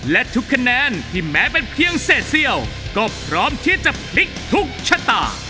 และทุกคะแนนที่แม้เป็นเพียงเศษเซี่ยวก็พร้อมที่จะพลิกทุกชะตา